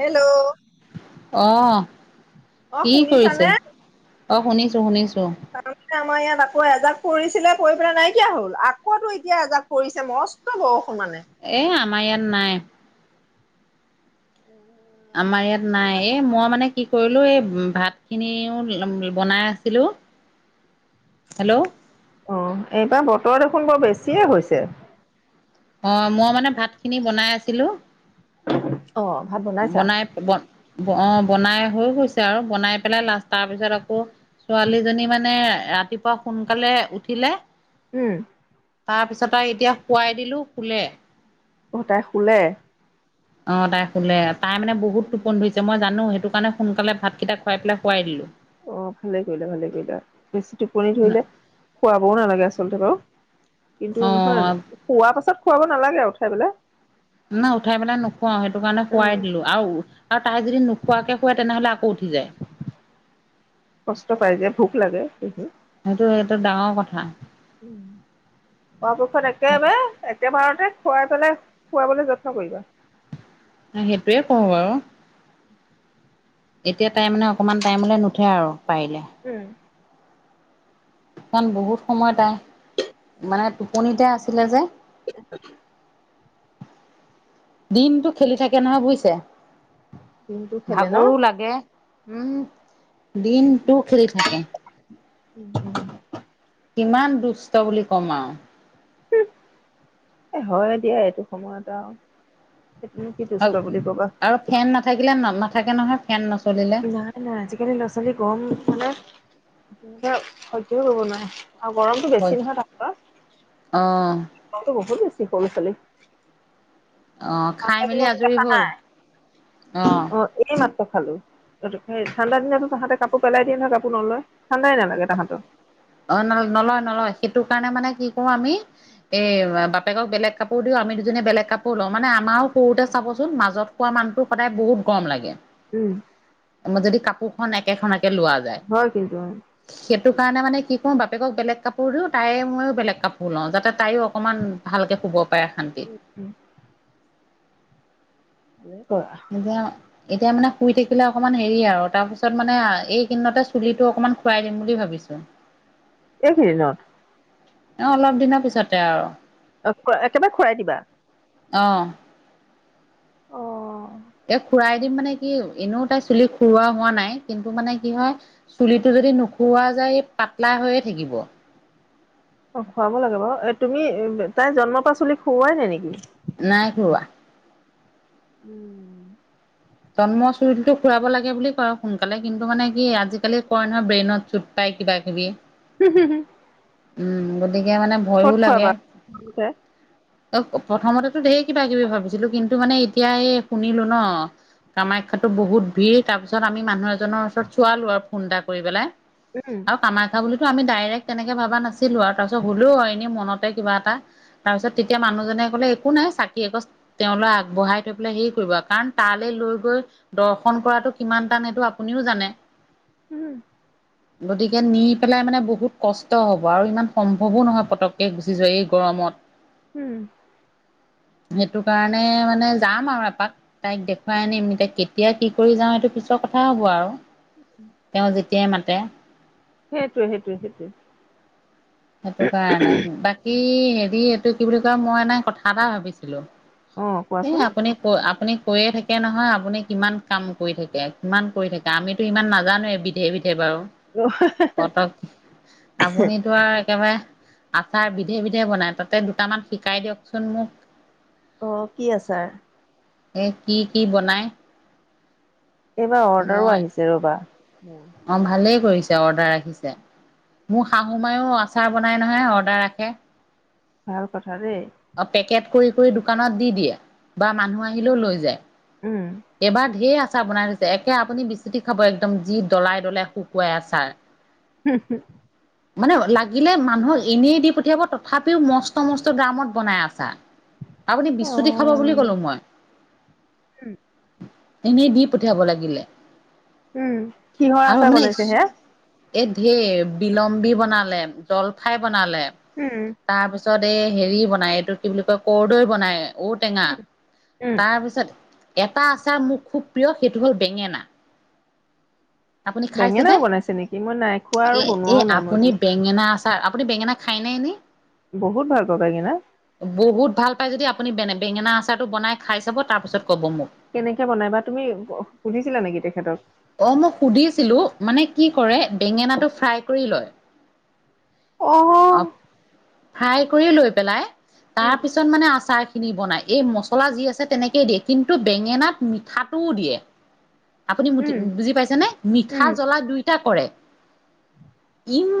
Hello আহ অ শুনিছানে অ', শুনিছো শুনিছো। তমানে আমাৰ ইয়াত আকৌ এজাক কৰিছিলে কৰি পেলাই নাইকিয়া হ'ল আকৌতো এতিয়া এজাক পৰিছে মস্ত ব এ আমাৰ ইয়াত নাই। আমাৰ উ ভাত খিনিও বনাই আছিলো। হেল্ল', অহ, এইবাৰ বতৰ দেখোন বৰ বেছিয়ে হৈছে। অহ, মই মানে ভাত খিনি বনাই আছিলোঁ। [unintelligible] বনাইছা বনাই বন- ব অহ, বনাই হৈ গৈছে আৰু। বনাই পেলাই লাষ্ট তাৰ পিছত আকৌ, ছোৱালীজনী মানে- ৰাতিপুৱা সোনকালে উঠিলে- উম। তাৰ পিছত তাইক এতিয়া শুৱাই দিলোঁ, শুলে। অ, তাই শুলে? অহ, তাই শুলে। তাই মানে বহুত টোপনি ধৰিছে, মই জানোঁ সেই- সেইকাৰণে সোনকালে ভাতকিটা খুৱাই পেলাই শুৱাই দিলোঁ। অহ, ভালে কৰিলা, ভালে কৰিলা। বেছি টোপনি ধৰিলে খুৱাবও নালাগে আচলতে বাৰু। কিন্তু নহয়, অ', শুৱা পাছত খুৱাব নালাগে আৰু, উঠাই পেলাই। না, উঠাই পেলাই নুখুৱাওঁ, সেইটো কাৰণে খুৱাই উম দিলোঁ। আৰু- আৰু তাই যদি নোখোৱাকে শুৱে, তেনেহলে আকৌ উঠি যায়। কষ্ট পাই যে ভোক লাগে সেইটো এটা ডাঙৰ কথা। উম, অ' পিছত একেবাৰে এক- কেবাৰতে খুৱাই পেলাই, শুৱাবলে যত্ন কৰিবা। উম, সেইটোৱে কৰোঁ বাৰু। এতিয়া তাই মানে অকণমান টাইমলে নুঠে আৰু পাৰিলে। কাৰণ বহুত সময় তাই, মানে টোপনিতে আছিলে যে। [unintelligible] দিনটো খেলি থাকে নহয় বুজিছে? দিনটো খেলে ন ভাগৰো লাগে। উম, দিনটো খেলি থাকে। [unintelligible] কিমান দুষ্ট বুলি কম আৰু। উম, এ হয় দিয়া এইটো সময়ত আৰু। সেইটোনো কি হ'। দুষ্ট বুলি কবা। আৰু ফেন নাথাকিলে না নাথাকে নহয়। ফেন নচ- নাই নাই। আজিকালি ল'ৰা-ছোৱালী গৰম মানে- উম, দিয়োক সহ্যও কৰিব নোৱাৰে আৰু গৰমটো বেছি নহয় তাত পুৰা। অ'। গৰমটো বহুত বেছি সৰু চলিৰ। অ' খাই ঠাণ্ডা মেলি দিনতো আজৰি দেখা হ'ল নাই। অ' এই মা- ত' খালোঁ। এইটো, সেই ঠাণ্ডা দিনতো তাহঁতে কাপোৰ পেলাই দিয়ে নহয়, কাপোৰ নলয়। ঠাণ্ডাই নালাগে তাহঁতৰ। অহ, নল, নলয়-নলয়। সেইটো কাৰণে মানে কি কৰোঁ আমি- এই, বা বাপেকক বেলেগ কাপোৰ দিওঁ, আমি দুজনীয়ে বেলেগ কাপোৰ লওঁ। মানে আমাৰো শুওতে চাবচোন, মাজত- শুৱা মানুহটো সদায় বহুত গৰম লাগে। উম ম, যদি কাপোৰখন একেখনকে লোৱা যায়, হয় কিন্তু উম সেইটো- কাৰণে মানে- কি কৰোঁ, বাপেকক বেলেগ কাপোৰ দিওঁ, তাই মইয়ে বেলেগ কাপোৰ লওঁ। যাতে তাইও অকণমান ভালকে শুব- পায় শান্তি। ভালে কৰা এতিয়া- এতিয়া মানে শুই থাকিলে অকণমান হেৰি আৰু, তাৰ পিছত মানে আ' এইকেইদিনতে চুলিটো অকমান খূৰাই দিম বুলি ভাবিছোঁ। [inaudible] এইকেইদিনত? অহ, অলপ দিনৰ পিছতে আৰু। আচ্ছা, একেবাৰে খূৰাই দিবা? অহ। অ এ খূৰাই দিম মানে কি, এনেও তাইৰ চুলি খূৰোৱা হোৱা নাই। কিন্তু মানে কি হয়, চুলিটো- যদি নোখোৱা যায়, এই পাতলা হৈয়ে থাকিব। অ', খুৱাব লাগে বাৰু এ তুমি তাই জন্মৰ পা চল খুৱাই নাই নেকি? নাই খোৱা। উম। জন্ম চুলিতো খুৰাব লাগে বুলি কয়। সোনকালে কিন্তু মানে কি আজিকালি কয় নহয় ব্ৰেইনত চুট পাই। কিবা কিবি। উ উু হু [unintelligible] উম গতিকে মানে ভয়ো লাগে অ প্ৰথমতেতো ধেৰ কিবা কিবি ভাবিছিলো কিন্তু মানে এতিয়া এই শুনিলো ন। কামাখ্যাতো বহুত ভিৰ। তাৰপিছত আমি মানুহ এজনৰ ওচৰত চোৱালো আৰু ফোন এটা কৰি পেলাই। উম আৰু কামাখ্যা বুলি আমি ডাইৰেক্ট তেনেকে ভাবা নাছিলো আৰু তাৰপিছত হ'লেও আৰু এনেই মনতে কিবা এটা তাৰ পিছত তেতিয়া মানুহজনে কলে একো নাই। চাকিৰ এগছ তেওঁলৈ আগবঢ়াই থৈ পেলাই হে কৰিব কাৰণ তালৈ লৈ। সন্তান সেইটো আপুনিও জানে উম। গতিকে নি পেলাই মানে বহুত কষ্ট। হ'ব আৰু ইমান সম্ভৱো নহয়। পতককে গুচি যোৱা এই গৰমত। উম। [unintelligible] সেইটো কাৰণে মানে যাম আৰু এপাক তাইক দেখুৱাই আনিম এতিয়া কেতিয়া কি কৰি যাওঁ সেইটো পিছৰ কথা কথা হ'ব আৰু তেওঁ যেতিয়াই মাতে। সেইটোয়ে, সেইটোয়ে, সেইটোয়ে। সেইটো কাৰণে বাকী হেৰি এইটো কি বুলি কয় মই এনে কথা এটা ভাবিছিলো। অ এই, কোৱাচোন। আপুনি ক আপুনি কৈয়ে থাকে নহয়। আপুনি কিমান কাম কৰি থাকে কিমান কৰি থাকে আমিতো ইমান নাজানোৱে বিধে বিধে। সেই বাৰু কতক আপুনিতো আৰু একেবাৰে আচাৰ বিধে বিধে বনাই তাতে দুটামান শিকাই দিয়কচোন মোক। অ', কি আচাৰ এ, কি, কি বনাই এইবাৰ অৰ্ডাৰো মই আহিছে ৰবা অ', ভালেই কৰিছোঁ অৰ্ডাৰ ৰাখিছে মোৰ শাহু মায়ও আচাৰ বনাই নহয় অৰ্ডাৰ ৰাখে। ভাল কথা ৰে। অ', পেকেট কৰি কৰি দোকানত দি দিয়ে বা মানুহ আহিলেও লৈ যায় অ এবাৰ ঢেৰ আছে আচাৰ বনাই থৈছে। একে আপুনি বিসুতি খাব একদম যি দলাই ডলাই শুকুৱাই আচাৰ। হ [unintelligible] মানে লাগিলে মানুহক এনেই দি পঠিয়াব তথাপিও মস্ত মস্ত দামত বনাই আছাৰ। আপুনি বিচুতি খাব বুলি ক'লো মই উম। এনেই দি পঠিয়াব লাগিলে উম কিহৰ আচাৰ বনাইছে হে। এ ধেৰ বিলম্বী বনালে জলফাই বনালে উম তাৰপিছত। তাৰপিছত এই হেৰি বনায় এইটো কি বুলি কয় কৰৰ্দৈ বনায়। ঔটেঙা উম উম তাৰপিছত এটা আচাৰ মোৰ খুব প্ৰিয় সেইটো হ'ল বেঙেনা আপুনি খাইছে দে বেঙেনাও বনাইছে নেকি মই নাই খোৱা আৰু এ, এ বনোৱাও নাই আপুনি মইতো বেঙেনা আছে ত আপুনি বেঙেনা খাই নাই নি। বহুত ভাল কথ কি না বহুত ভাল পায় যদি আপুনি বে বেঙেনা আচাৰটো বনাই খাই চাব তাৰপিছত ক'ব মোক। কেনেকে বনাই বা তুমি সুধিছিলা নেকি তেখেতক। অ', মই সুধিছিলো মানে কি কৰে বেঙেনাটো ফ্ৰাই কৰি লয় অ ফ্ৰাই কৰি লৈ পেলাই তাৰ উম পিছত মানে আচাৰ। খিনি বনাই এই মছলা যি আছে। তেনেকেই দিয়ে কিন্তু বেঙেনাত মিঠাটোও দিয়ে। আপুনি উম বুজি পাইছে নে মিঠা উম জ্বলা দুইটা কৰে।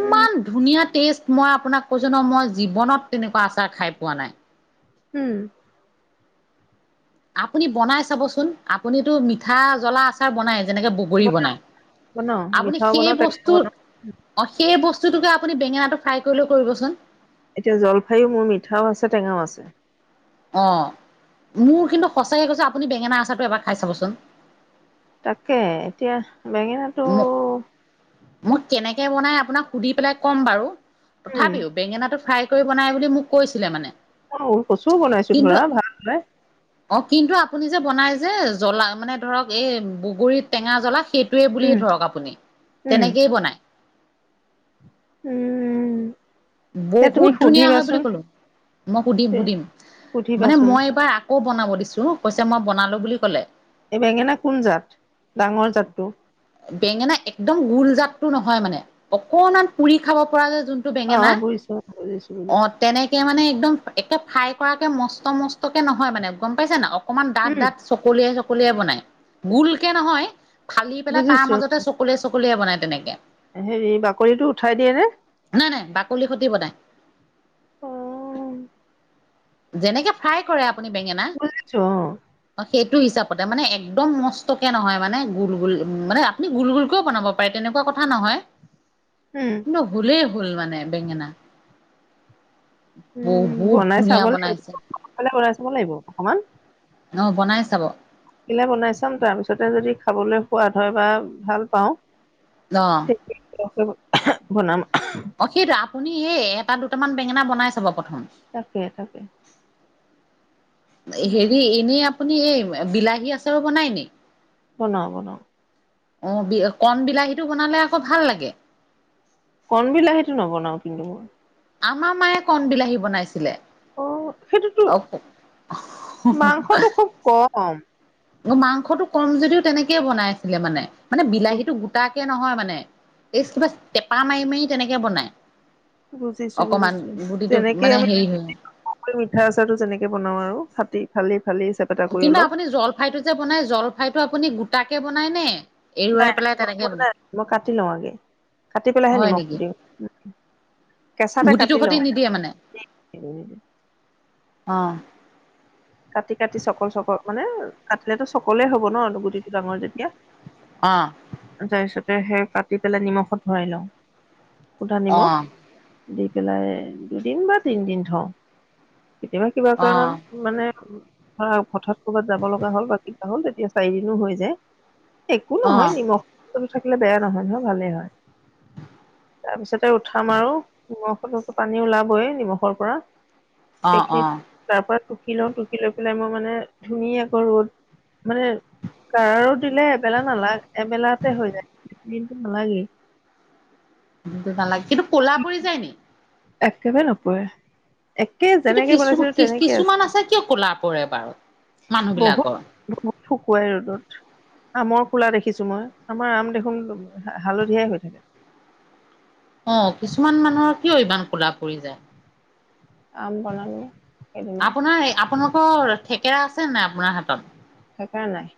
উম ধুনীয়া। মই আপোনাক কৈছো ন মই জীৱনত তেনেকুৱা আচাৰ খাই পোৱা নাই। উম আপুনি বনাই চাবচোন আপুনিটো মিঠা জ্বলা আচাৰ বনাইছে। যেনেকে বগৰী বনাও বনাই বনাও আপুনি মিঠাও সেই বনাও টেঙাও বস্তু বনাও অ সেই বস্তু। [unintelligible] আপুনি বেঙেনাটো ফ্ৰাই কৰিলেও কৰিবচোন। এতিয়া জলফাইয়ো মোৰ মিঠাও আছে টেঙাও আছে। অ মোৰ কিন্তু সঁচাকে কৈছ আপুনি বেঙেনা আচাৰটো এবাৰ খাই চাবচোন। তাকে এতিয়া বেঙেনাটো। মই কেনেকে বনাই আপোনাক সুধি পেলাই ক'ম বাৰু উম তথাপিও বেঙেনাটো ফ্ৰাই। কৰি বনাই বুলি মোক কৈছিলে মানে। অ কচুও বনাইছো কিন্তু ধৰা ভালে অ কিন্তু আপুনি যে বনাই যে জ্বলা মানে ধৰক এই বগৰী টেঙা জ্বলা সেইটো। টোৱে বুলিয়ে উম ধৰক আপুনি তেনেকেই বনায়। উম উম এ তুমি বহুত ধুনীয়া হয় বুলি সুধিবাচোন ক'লো মই সুধিম তে সুধিম মানে সুধিবাচোন মই এইবাৰ আকৌ বনাব দিছোঁ। কৈছে মই বনালো বুলি ক'লে। এই বেঙেনা কোন জাত ডাঙৰ জাতটো। বেঙেনা একদম গোলজাতটো নহয় মানে অকনমান পুৰি খাব পৰা যায় যোনটো অ বেঙেনা। অ বুজিছো বুজিছো অ' বুজিছো তেনেকে মানে একদম এক্কে ফ্ৰাই কৰাকে মস্ত মস্তকে নহয় মানে, গম পাইছে নে? অকনমান ডাঠ উম - ডাঠ চকলিয়াই কলিয়াই বনায়। গোলকে নহয়, ফালি পেলাই তাৰ মাজতে চকলিয়া চকলিয়াই বনায় তেনেকে। এ হেৰি বাকলিটো উঠাই দিয়ে নে? নাই - নাই, বাকলিৰ সতি বনায়। অ'। যেনেকে ফ্ৰাই কৰে আপুনি বেঙেনা বুজিছো অ', অ সেইটো। হিচাপতে মানে একদম মস্তকে নহয়। মানে গোল গোল মানে আপুনি গুল গোলকেও বনাব পাৰে। তেনেকুৱা নহয়। উম, কিন্তু হুলেই হুল মানে বেঙেনা উম, বহুত। বনাই ধুনীয়া চাব লাগিব বনাইছে। সোনকালে বনাই চাব লাগিব অকমান। অ বনাই চাব। সিলা বনাই চাম। তাৰপিছতে যদি খাবলৈ সোৱাদ হয় বা ভাল পাওঁ বনাম। এ এটা দুটামান বেঙেনা বনাই চাব প। তাকে তাকে। উম, হেৰি এনেই আপুনি এই বিলাহী আচাৰো বনায় নি? বনাওঁ - বনাওঁ। অ বি কণ বিলাহীটো বনালে আকৌ ভাল লাগে। কণবিলাহটো নবনাও কিন্তু মই। আমাৰ মায়ে কণ বিলাহী বনাইছিলে। অ' সেইটো অ তো- মাংসটো খুব কম। মাংসটো কম যদিও তেনেকে বনাই আছিলে মানে মানে বিলাহীটো গোট। কে নহয় মানে। এই কিবা টেপা মাৰি - মাৰি তেনেকে বনায়। বুজিছো বুজিছো যেনেকে মানে আমি হেৰি হয়। মিঠা আচাৰটো তেনেকে বনাওঁও আৰু। ফাতি ফালি ফালি চেপেটা কৰি কিন্তু অলপ আপুনি জলফাইটো যে বনায়, জলফাইটো আপুনি গোটাকে বনায় নে নাই এৰুৱাই পেলাই তেনেকে নাই- বনাই নাই মই কাটি লওঁ আগে কাটি পেলাইহে হয় নিমখ নেকি? দিওঁ। কেঁচাতে গুটিটো কাটি সতি লওঁ। নিদিয়ে মানে অ'। কাটি- কাটি চকল- চকল মানে কাটিলেতো চকলেই হব ন গুটিটো ডাঙৰ যেতিয়া। অ' তাৰ পিছতে সেই কাটি পেলাই নিমখত ভৰাই লওঁ। সুদা নিমখ অ' দি পেলাই দুদিন বা তিনদিন থওঁ। কেতিয়াবা কিবা কাৰণত অ' মানে ধৰা হঠাৎ ক'ৰবাত যাব লগা হ'ল বা কিবা হ'ল তেতিয়া চাৰিদিনো হৈ যায়। একো নহয় অ' নিমখ থাকিলে বেয়া নহয় নহয় ভালেই হয়। তাৰপিছতে উঠাম আৰু নিমখত পানী ওলাবয়ে নিমখৰ পৰা। অ' অ' সেইখিনিত অ' তাৰ পৰা টুকি লওঁ টুকি লৈ পেলাই মই মানে ধুনীয়াকৈ ৰ'দ মানে। কাৰো দিলে এবেলা নালাগে এবেলাতে হৈ যায় দিন নালাগেই নালাগে কিন্তু ক'লা পৰি যায় নি। একেবাৰে নপৰে। একে কিন্তু যেনেকে কিছু বনাইছিলো তেনেকে কিছুমান আছে কিয় ক'লা পৰে বাৰু। মানুহ বহুত- বিলাকৰ বহুত শুকুৱাই ৰ'দত। আমৰ খোলা দেখিছো মই আমাৰ আম দেখোন হালধিয়াই হৈ থাকে অ', কিছুমান মানুহৰ কিয় ইমান কোলা পৰি যায়। আম বনালো সেইদিনা অ', ৰা থেকেৰা আছে নাই আপোনাৰ হাতত? থেকেৰা নাই।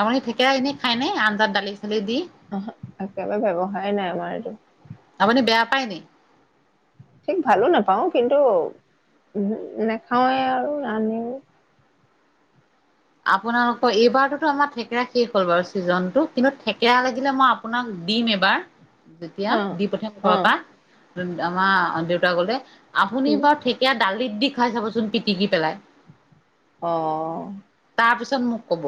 আপুনি ঠেকেৰা এনে খাই নে আঞ্জাত, দালি চালি দি আহ একেবাৰে ব্য্ৱুসায় নাই আমাৰ এইটো হয় নি ঠিক ভালো নাপাওঁ কিন্তু নাখাওৱে আৰু ৰান্ধিও আপোনালোকৰ এইবাৰতো আমাৰ থেকেৰা শেষ হ'ল বাৰু ছিজনতটো কিন্তু থেকেৰা লাগিলে মই আপোনাক দিম এবাৰ যেতিয়া অ দি পঠিয়াম অ ঘৰৰ পা আমাৰ দেউতাক গ'লে আপুনি উম বাৰু ঠেকীয়া দালিত দি খাই চাবচোন পিটিকি পেলাই। অ'। তাৰ পিছত মোক ক'ব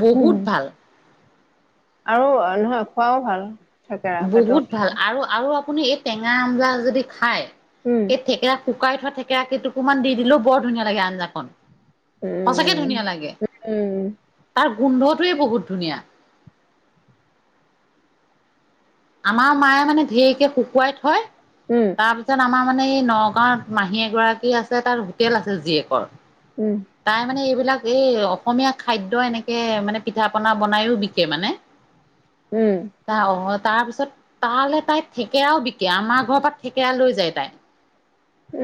বহুত ভাল আৰু নহয় খোৱাও ভাল। থেকেৰা পেটৰ বহুত ভাল কাৰণে আৰু আৰু আপুনি এই টেঙা আঞ্জা যদি খাই উম এই থেকেৰা কু শুকাই থোৱা থেকেৰা কেইটুকুৰমান দি দিলেও বৰ ধুনীয়া লাগে আঞ্জাখন। সঁচাকে উম ধুনীয়া লাগে উম তাৰ গোন্ধটোৱে বহুত ধুনীয়া। আমাৰ মায়ে মানে ঢেৰকে শুকুৱাই থয় উম তাৰপিছত আমাৰ মানে এই নগাঁৱত মাহী এগৰাকী আছে তাত হোটেল আছে জীয়েকৰ। উম তাই মানে এইবিলাক এই অসমীয়া খাদ্য এনেকে মানে পিঠা পনা বনাইও বিকে মানে। উম [unintelligible] তাৰ পিছত তালৈ তাই থেকেৰাও বিকে আমাৰ ঘৰৰ পৰা থেকেৰা লৈ যায় তাই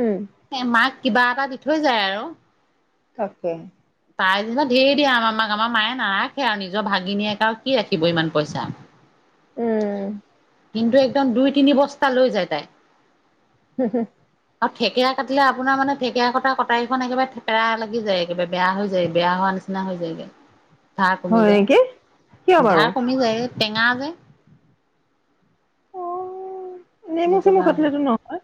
উম এহ মাক কিবা এটা দি থৈ যায় আৰু থাকে তাই যেনিবা ধেৰ দিয়ে আমাৰ মাক আমাৰ মায়ে নাৰাখে আৰু নিজৰ ভাগিনীয়েকে আৰু কি ৰাখিব ইমান পইচা। উম। কিন্তু একদম দুই তিনি বস্তা লৈ যায় তাই। হম হুম। অ' থেকেৰা কাটিলে আপোনাৰ মানে থেকেৰা কটা কটাৰীখন একেবাৰে থেকেৰা থাকি যায় একেবাৰে বেয়া হৈ যায় বেয়া হোৱা নিচিনা হৈ যায়গৈ। ধাৰ কমি হয় নেকি কিয় যায় বাৰু ধাৰ কমি যায় টেঙা যে নেমু সেইটো চেমু কাৰণে কাটিলেটো নহয়।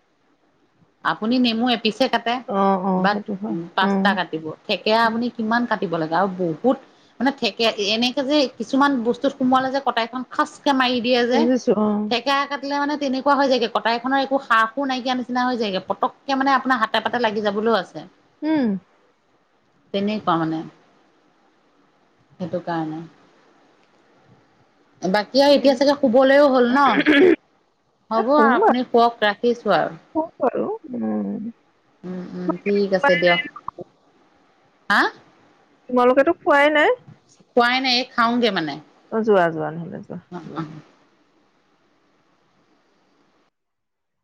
আপুনি নেমু পিছে কাটে অ অ বা সেইটো হয় উম পাঁচটা কাটিব থেকেৰা আপুনি কিমান কাটি কাটিব লাগে আৰু বহুত মানে থেকেৰা এনেকে যে কিছুমান বস্তুত সোমালে যে কটাৰীখন খাচ মাৰি দিয়ে যে বুজিছো অ থেকেৰা কাটিলে মানে তেনেকুৱা হৈ যায় কটাৰ খনৰ একো সা সুৰ নাইকিয়া নিচিনা হৈ পটকে মানে আপোনাৰ হাতে পাতে লাগি যাবলৈও আছে। উম। তেনেকুৱা মানে সেইটো কাৰণে বাকী আৰু এতিয়া চাগে শুবলৈও হ'ল ন, হ'ব আৰু আপুনি শুৱক ৰাখ উ, উম উম ঠিক আছে দিয় হা তোমালোকেতো খোৱাই নাই খোৱাই নাই খাওঁগে মানে অ 'যোৱা যোৱা নহ'লে যোৱা অ', যোৱা অ',